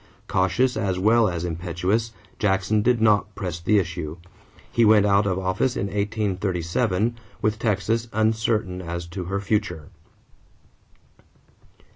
Cautious as well as impetuous, Jackson did not press the issue; he went out of office in 1837 with Texas uncertain as to her future.